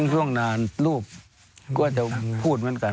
ช่วงนานลูกก็จะพูดเหมือนกัน